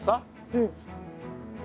うん。